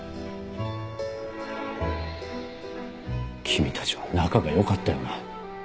君たちは仲が良かったよな？